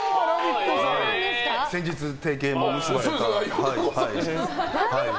先日、提携を結ばれた。